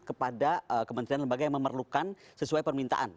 kepada kementerian lembaga yang memerlukan sesuai permintaan